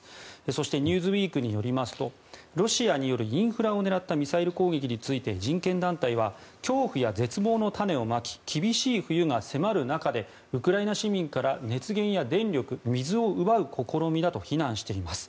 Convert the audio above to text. そして「ニューズウィーク」によりますとロシアによるインフラを狙ったミサイル攻撃について人権団体は恐怖や絶望の種をまき厳しい冬が迫る中でウクライナ市民から熱源や電力、水を奪う試みだと非難しています。